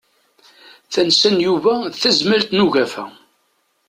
Tansa n Yuba d Tazmalt n ugafa.